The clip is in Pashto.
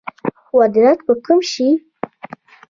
واردات به کم شي؟